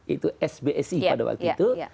itu sbsi pada waktu itu